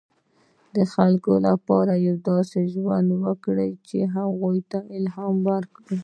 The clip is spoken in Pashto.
• د خلکو لپاره داسې ژوند وکړه، چې هغوی ته الهام ورکړې.